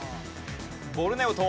ボルネオ島。